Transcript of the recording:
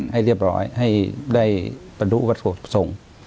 ให้เรียบร้อยให้ได้บรรดุกับส่ง